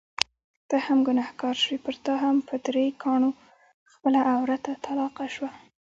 ته هم ګنهګار شوې، پرتا هم په درې کاڼو خپله عورته طلاقه شوه.